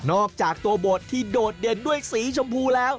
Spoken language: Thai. อกจากตัวบทที่โดดเด่นด้วยสีชมพูแล้ว